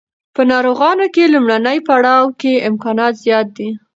په ناروغانو کې لومړني پړاو کې امکانات زیات دي.